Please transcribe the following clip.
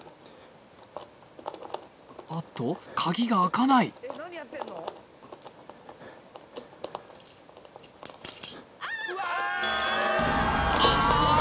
あっと鍵が開かないあっ